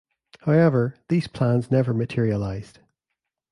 However, these plans never materialized.